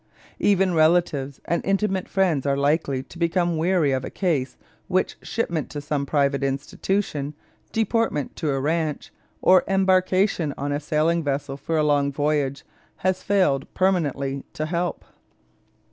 Even relatives and intimate friends are likely to become weary of a case which shipment to some private institution, deportation to a ranch, or embarkation on a sailing vessel for a long voyage has failed permanently to help.